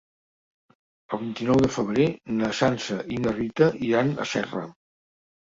El vint-i-nou de febrer na Sança i na Rita iran a Serra.